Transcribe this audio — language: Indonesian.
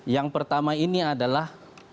yang pertama ini adalah